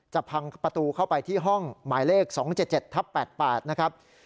พังประตูเข้าไปที่ห้องหมายเลข๒๗๗ทับ๘๘นะครับ